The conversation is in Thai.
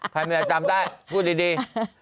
ใครไม่ได้จำได้พูดดี